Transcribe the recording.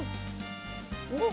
おっ！